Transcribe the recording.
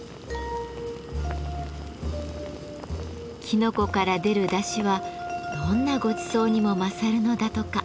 きのこから出るだしはどんなごちそうにも勝るのだとか。